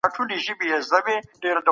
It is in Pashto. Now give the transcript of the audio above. زه خپل عزت له هر ډول بدۍ ساتم.